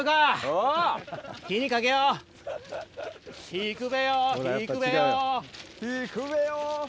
火くべよ。